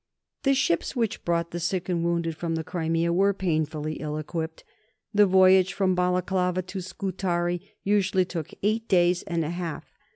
The ships which brought the sick and wounded from the Crimea were painfully ill equipped. The voyage from Balaclava to Scutari usually took eight days and a half.